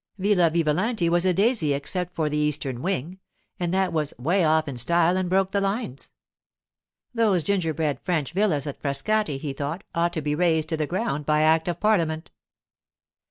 Villa Vivalanti was a daisy except for the eastern wing, and that was 'way off in style and broke the lines. Those gingerbread French villas at Frascati, he thought, ought to be razed to the ground by act of parliament.